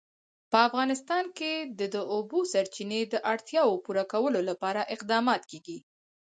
په افغانستان کې د د اوبو سرچینې د اړتیاوو پوره کولو لپاره اقدامات کېږي.